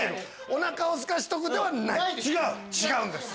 おなかをすかしとくではないです。